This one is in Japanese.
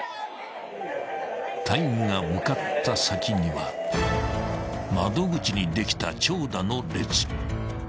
［隊員が向かった先には窓口にできた］